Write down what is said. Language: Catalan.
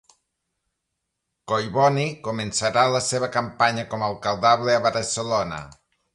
Collboni començarà la seva campanya com a alcaldable a Barcelona.